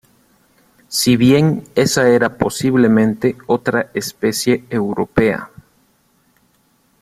Si bien esa era posiblemente otra especie europea.